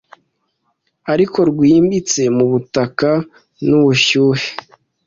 ariko rwimbitse mubutaka nubushyuhe